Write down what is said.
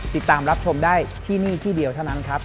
ติดตามรับชมได้ที่นี่ที่เดียวเท่านั้นครับ